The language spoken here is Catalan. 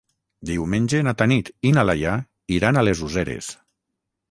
Diumenge na Tanit i na Laia iran a les Useres.